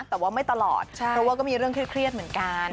แต่ว่าไม่ตลอดเพราะว่าก็มีเรื่องเครียดเหมือนกัน